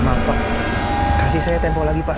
maaf pak kasih saya tempo lagi pak